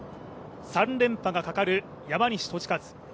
３連覇がかかる山西利和。